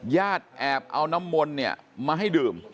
แอบเอาน้ำมนต์เนี่ยมาให้ดื่ม